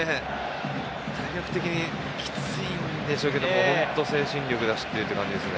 体力的にきついんでしょうけど本当に精神力で走っている感じですね。